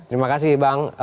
terima kasih bang